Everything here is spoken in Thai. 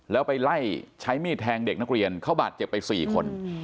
แล้วไปไล่ใช้มีดแทงเด็กนักเรียนเขาบาดเจ็บไป๔คน